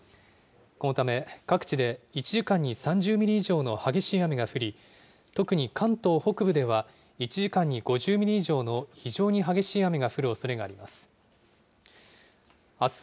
このため、各地で１時間に３０ミリ以上の激しい雨が降り、特に関東北部では１時間に５０ミリ以上の非常に激しい雨が降るおそれがあります。